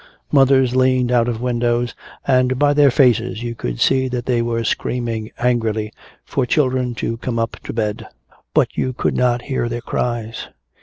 Mothers leaned out of windows, and by their faces you could see that they were screaming angrily for children to come up to bed. But you could not hear their cries.